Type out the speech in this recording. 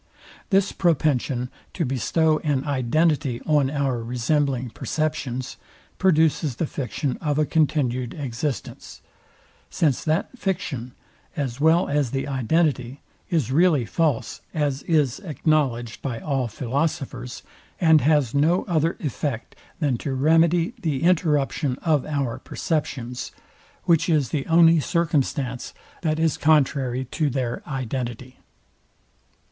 This propension to bestow an identity on our resembling perceptions, produces the fiction of a continued existence; since that fiction, as well as the identity, is really false, as is acknowledged by all philosophers, and has no other effect than to remedy the interruption of our perceptions, which is the only circumstance that is contrary to their identity.